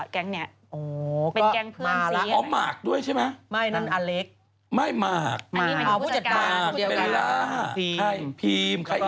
เขาเป็นผู้จัดการคนเดียวกัน